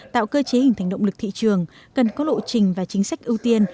tạo cơ chế hình thành động lực thị trường cần có lộ trình và chính sách ưu tiên